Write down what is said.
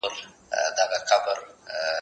ته ولي کالي وچوې!.